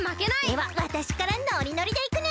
ではわたしからノリノリでいくね！